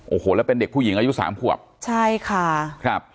โอ้โหแล้วเป็นเด็กผู้หญิงอายุสามขวบใช่ค่ะครับ